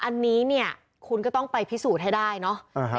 อันนี้เนี่ยคุณก็ต้องไปพิสูจน์ให้ได้เนอะ